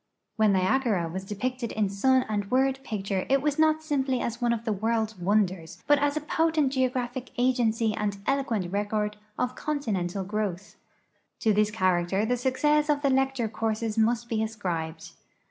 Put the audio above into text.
When Niagara was depicted in sun and word picture it was not simply as one of the world's wonders, but as a potent geographic agency and eloquent record of continent growth. To this character the success of the lecture courses must be ascribed.